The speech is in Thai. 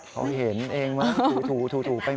เขาเห็นเองมาถูไปไหม